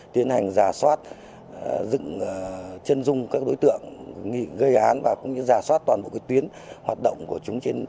tiến hành giả soát dựng chân dung các đối tượng gây án và giả soát toàn bộ tuyến hoạt động của chúng